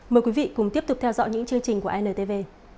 mời quý vị cùng tiếp tục theo dõi những chương trình của intv